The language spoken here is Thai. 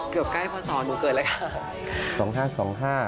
เกือบใกล้พอสอนูเกิดเลยค่ะ